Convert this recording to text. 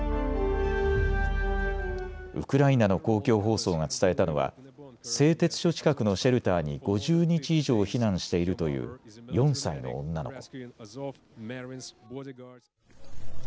ウクライナの公共放送が伝えたのは製鉄所近くのシェルターに５０日以上、避難しているという４歳の女の子。